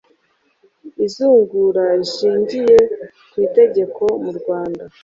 izungura rishingiye ku itegeko mu rwanda